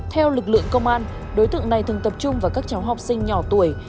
theo lực lượng công an đối tượng này thường tập trung vào các cháu học sinh nhỏ tuổi